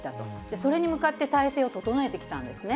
それに向かって体制を整えてきたんですね。